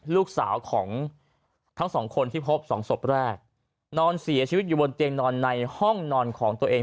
ลูกสาวของทั้งสองคนที่พบสองศพแรกนอนเสียชีวิตอยู่บนเตียงนอนในห้องนอนของตัวเอง